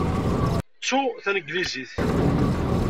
Ttu taneglizit.